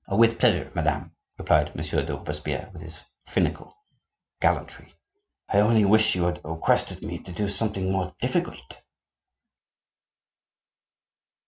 "With pleasure, madame," replied Monsieur de Robespierre, with his finical gallantry. "I only wish you had requested me to do something more difficult."